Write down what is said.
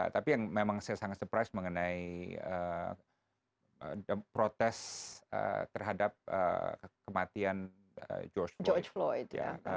tapi yang memang saya sangat surprise mengenai protes terhadap kematian george floyd ya